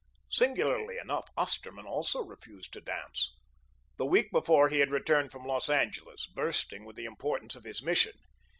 Singularly enough, Osterman also refused to dance. The week before he had returned from Los Angeles, bursting with the importance of his mission.